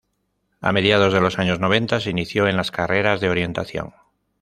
A mediados de los años noventa se inició en las carreras de orientación.